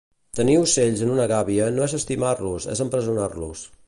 Tenir ocells en una gàbia no és estimar-los és empresonar-los